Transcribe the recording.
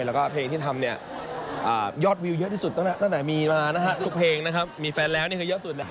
แล้วก็เพลงที่ทำเนี่ยยอดวิวเยอะที่สุดตั้งแต่มีมานะฮะทุกเพลงนะครับมีแฟนแล้วนี่คือเยอะสุด